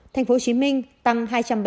tp hcm tăng hai trăm bảy mươi tám